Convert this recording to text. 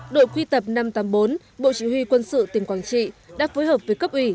đội quy tập năm trăm tám mươi bốn bộ chỉ huy quân sự tỉnh quảng trị đã phối hợp với cấp ủy